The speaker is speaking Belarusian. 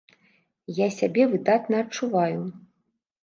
Я сябе выдатна адчуваю!